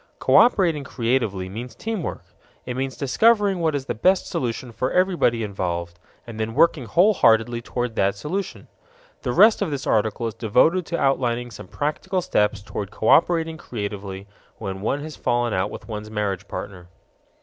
Cooperating creatively means teamwork. It means discovering what is the best solution for everybody involved, and then working wholeheartedly toward that solution. The rest of this article is devoted to outlining some practical steps toward cooperating creatively when one has fallen out with one's marriage partner.